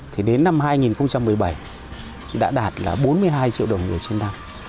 thì đến năm hai nghìn một mươi bảy đã đạt là bốn mươi hai triệu đồng người trên năm